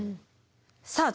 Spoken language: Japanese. さあ